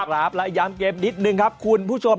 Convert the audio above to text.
ครับและย้ำเกมนิดนึงครับคุณผู้ชม